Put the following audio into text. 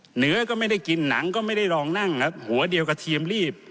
เหนือก็ไม่ได้กินหนังก็ไม่ได้ลองนั่งครับหัวเดียวกระเทียมรีบ